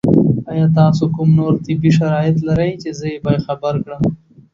ایا تاسو کوم نور طبي شرایط لرئ چې زه یې باید خبر کړم؟